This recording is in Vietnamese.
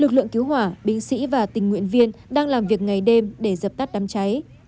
lực lượng cứu hỏa binh sĩ và tình nguyện viên đang làm việc ngày đêm để dập tắt đám cháy